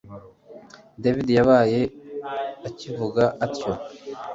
david yabaye akivuga atyo